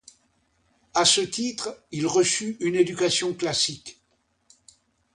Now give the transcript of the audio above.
A ce titre, il reçut une éducation classique.